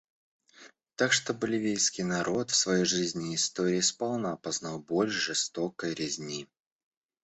Так что боливийский народ в своей жизни и истории сполна познал боль жестокой резни.